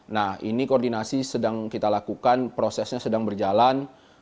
nah ini koordinasi sedang kita lakukan prosesnya sedang berjalan